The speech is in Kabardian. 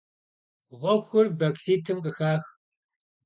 Ğuxur baksitım khıxax.